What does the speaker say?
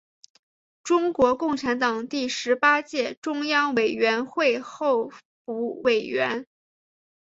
中国共产党第十八届中央委员会候补委员。